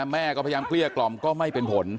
แม่ก็พยายามเกลี้ยกล่อมก็ไม่เป็นผล